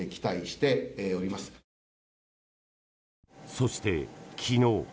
そして、昨日。